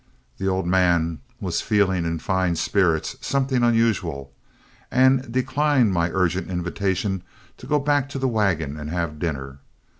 The old man was feeling in fine spirits, something unusual, and declined my urgent invitation to go back to the wagon and have dinner.